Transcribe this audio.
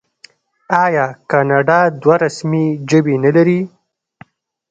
آیا کاناډا دوه رسمي ژبې نلري؟